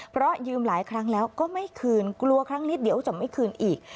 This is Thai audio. เพราะยืมหลายครั้งแล้วก็ไม่คืนกลัวครั้งนี้เดี๋ยวจะไม่คืนอีก